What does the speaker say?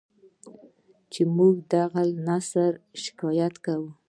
چې موږ د هغه له نثره شکایت کوو.